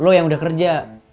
lu yang udah kerja